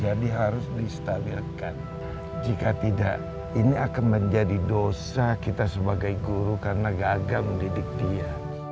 jadi harus diistabilkan jika tidak ini akan menjadi dosa kita sebagai guru karena gagal mendidik dia